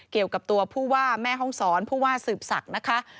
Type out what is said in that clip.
เกี่ยวกับตัวผู้ว่าแม่ห้องศรผู้ว่าสืบศักดิ์นะคะ